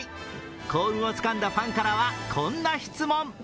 幸運をつかんだファンからはこんな質問。